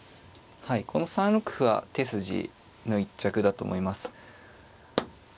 はいこの３六歩は手筋の一着だと思います。